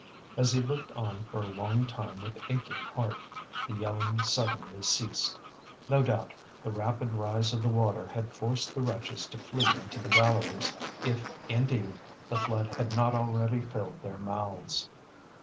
As he looked on for a long time with aching heart, the yelling suddenly ceased. No doubt, the rapid rise of the water had forced the wretches to flee into the galleries, if, indeed, the flood had not already filled their mouths.